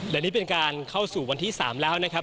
แต่นี่เป็นการเข้าสู่วันที่๓แล้วนะครับ